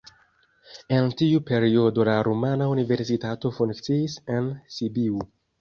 En tiu periodo la rumana universitato funkciis en Sibiu.